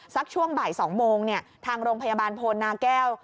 ช่วงบ่าย๒โมงทางโรงพยาบาลโพนาแก้ว